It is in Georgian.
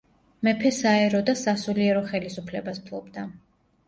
მეფე საერო და სასულიერო ხელისუფლებას ფლობდა.